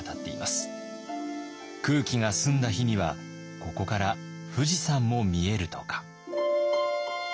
空気が澄んだ日にはここから富士山も見えるとか。